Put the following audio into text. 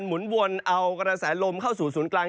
หมุนวนเอากระแสลมเข้าสู่ศูนย์กลาง